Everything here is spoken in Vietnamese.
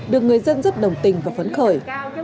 được người dân rất đồng tình và phấn khởi